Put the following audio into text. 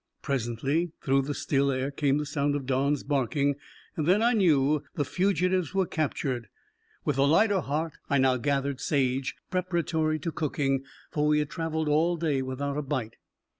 Presently through the still air came the sound of Don's barking, then I knew the fugitives were captured. With a lighter heart I now gathered sage preparatory to cooking, for we had traveled all day without a bite.